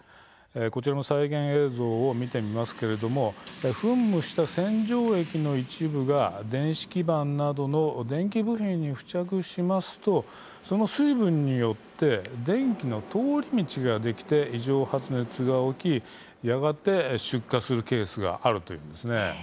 こちらの再現映像を見てみますが噴霧した洗浄液の一部が電子基盤などの電気部品に付着しますとその水分によって電気の通り道ができて異常発熱が起きてやがて出火するケースがあるというんです。